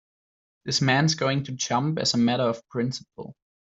This man's going to jump as a matter of principle.